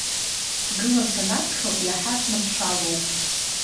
Сгылан санаԥхьо иаҳа сманшәалоуп.